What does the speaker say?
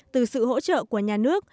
từ sự hỗ trợ của nhà nước